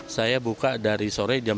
saya buka dari sore jam satu